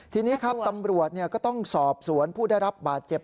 ทีนี้ครับตำรวจก็ต้องสอบสวนผู้ได้รับบาดเจ็บ